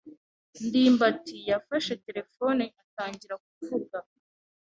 ndimbati yafashe terefone atangira kuvuga.